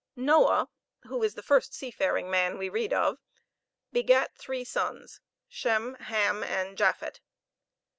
Noah, who is the first seafaring man we read of, begat three sons, Shem, Ham, and Japhet.